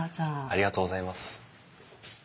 ありがとうございます。